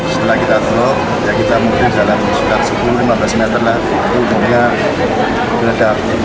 setelah kita terlalu ya kita mungkin jalan sepuluh lima belas meter lah itu jadinya ledak